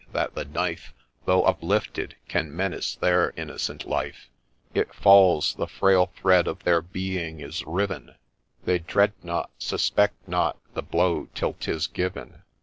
— that the knife, Though uplifted, can menace their innocent life ; It falls ;— the frail thread of their being is riven, They dread not, suspect not, the blow till 'tis given.